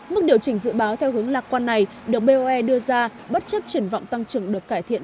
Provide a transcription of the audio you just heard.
mức điều chỉnh dự báo theo hướng lạc quan này được boe đưa ra bất chấp triển vọng tăng trưởng được cải thiện